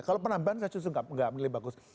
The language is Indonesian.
kalau penambahan saya cusut gak milih bagus